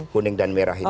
kuning dan merah ini